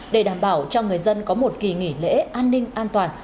để đảm bảo cho người dân có một kỳ nghỉ lễ an ninh an toàn